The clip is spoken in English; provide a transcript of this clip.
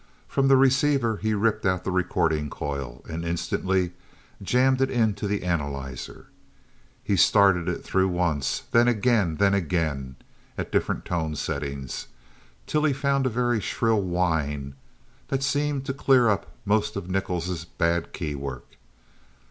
From the receiver, he ripped out the recording coil, and instantly jammed it into the analyzer. He started it through once, then again, then again, at different tone settings, till he found a very shrill whine that seemed to clear up most of Nichols' bad key work.